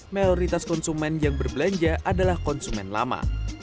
mayoritas konsumen yang berbelanja adalah konsumen lama